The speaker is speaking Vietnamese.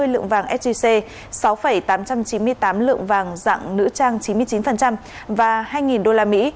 hai mươi lượng vàng sgc sáu tám trăm chín mươi tám lượng vàng dạng nữ trang chín mươi chín và hai usd